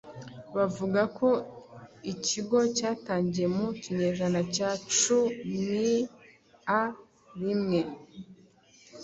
Bavuga ko ikigo cyatangiye mu kinyejana cya cumin a rimwe.